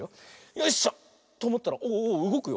よいしょ。とおもったらおおうごくよ。